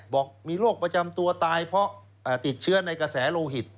บอกมีโรคประจำตัวตายเพราะติดเชื้อในกระแสโลหิต